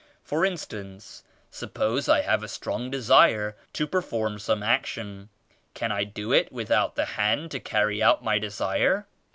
For instance suppose I have a strong desire to perform some action. Can I do it without the hand to carry out my desire?